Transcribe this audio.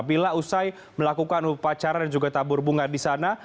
bila usai melakukan upacara dan juga tabur bunga di sana